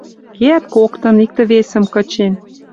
Кеӓт коктын, иктӹ-весӹм кычен